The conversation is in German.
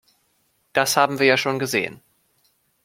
Das haben wir ja schon gesehen.